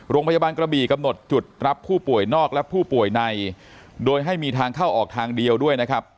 โรงพยาบาลกระบี่กำหนดจุดรับผู้ป่วยนอกและผู้ป่วยในโดยให้มีทางเข้าออกทางเดียวด้วยนะครับ